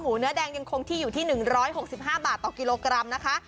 เนื้อแดงยังคงที่อยู่ที่๑๖๕บาทต่อกิโลกรัมนะคะ